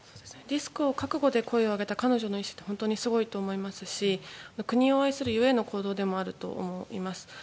リスクを覚悟で声を上げた彼女の意志は本当にすごいと思いますし国を愛するゆえの行動だとも思います。